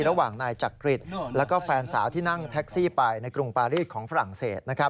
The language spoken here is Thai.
ระหว่างนายจักริตแล้วก็แฟนสาวที่นั่งแท็กซี่ไปในกรุงปารีสของฝรั่งเศส